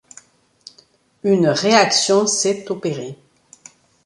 Une réaction s’est opérée.